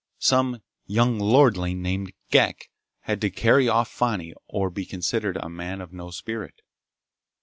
Some young lordling named Ghek had to carry off Fani or be considered a man of no spirit.